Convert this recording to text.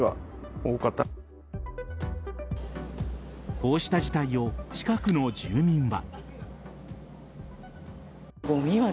こうした事態を近くの住民は。